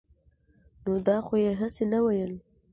نو دا خو يې هسې نه وييل -